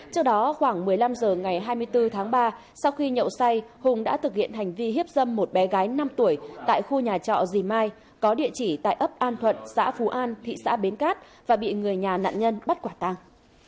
trước đó khoảng một mươi năm h ngày hai mươi bốn tháng ba sau khi nhậu say hùng đã thực hiện hành vi hiếp dâm một bé gái năm tuổi tại khu nhà trọ dì mai có địa chỉ tại ấp an thuận xã phú an thị xã bến cát và bị người nhà nạn nhân bắt quả tàng